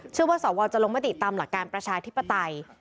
เชื่อว่าสวจะลงมาตรีตามหลักการประชาธิปไตย